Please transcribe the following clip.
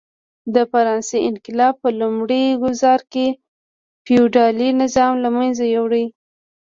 د فرانسې انقلاب په لومړي ګوزار کې فیوډالي نظام له منځه یووړ.